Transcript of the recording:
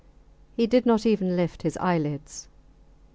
He did not even lift his eyelids.